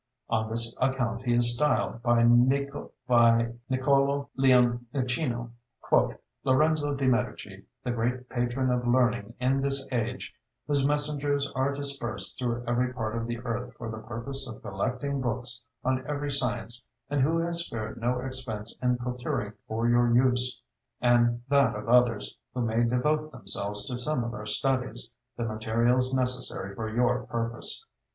On this account he is styled, by Niccolo Leonicino, "Lorenzo de' Medici, the great patron of learning in this age, whose messengers are dispersed through every part of the earth for the purpose of collecting books on every science, and who has spared no expense in procuring for your use, and that of others who may devote themselves to similar studies, the materials necessary for your purpose."